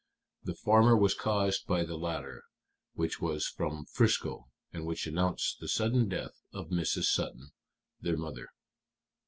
The former was caused by the latter, which was from Frisco, and which announced the sudden death of Mrs. Sutton, their mother."